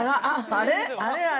あれあれ？